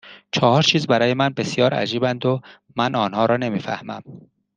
چهار چیز برای من بسیار عجیبند و من آنها را نمیفهمم